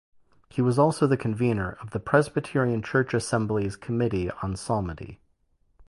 He was also convenor of the Presbyterian Church Assembly's Committee on Psalmody.